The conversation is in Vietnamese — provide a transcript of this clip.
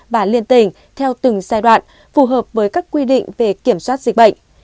và liên tình theo từng giai đoạn phù hợp với các quy định về kiểm soát dịch bệnh